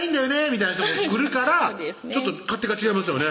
みたいな人も来るからちょっと勝手が違いますよね